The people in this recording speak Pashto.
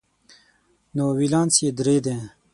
نو ولانس یې درې دی.